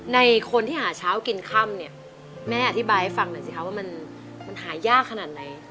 ในคนที่หาเช้ากินค่ำเนี่ยแม่อธิบายให้ฟังหน่อยสิคะว่ามันหายากขนาดไหน